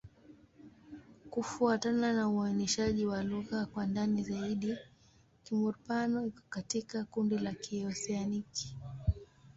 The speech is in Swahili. Kufuatana na uainishaji wa lugha kwa ndani zaidi, Kimur-Pano iko katika kundi la Kioseaniki.